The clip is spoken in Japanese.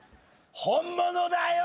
本物だよ！